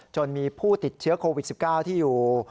จนมีผู้ติดเชื้อโควิด๑๙ที่อยู่